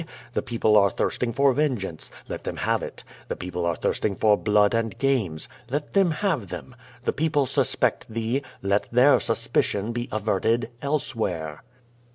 The people are thirsting for vengeance. Let them have it. The people are thirsting for blood and games. Let them have them. The people suspect thee. Let their suspicion be averted elsewhere."